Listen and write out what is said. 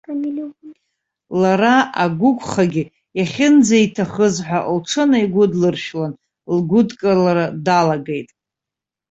Лара агәықәхагьы иахьынӡаиҭахыз ҳәа лҽынаигәыдлыршәлан, лгәыдкылара далагеит.